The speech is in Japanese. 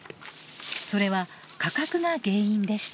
それは価格が原因でした。